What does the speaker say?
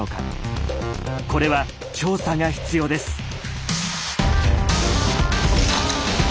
これは調査が必要です。